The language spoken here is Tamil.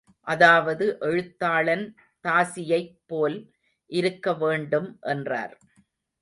அதாவது எழுத்தாளன் தாசியைப் போல் இருக்க வேண்டும் என்றார்.